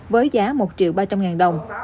với giá một triệu ba trăm linh ngàn đồng